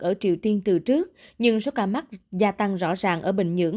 ở triều tiên từ trước nhưng số ca mắc gia tăng rõ ràng ở bình nhưỡng